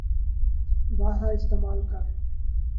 بارہا استعمال کر